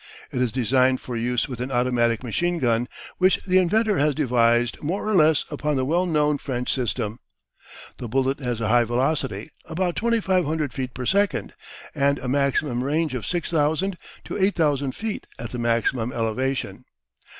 It is designed for use with an automatic machinegun, which the inventor has devised more or less upon the well known French system. The bullet has a high velocity about 2,500 feet per second and a maximum range of 6,000 to 8,000 feet at the maximum elevation.